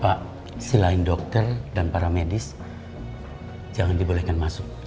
pak selain dokter dan para medis jangan dibolehkan masuk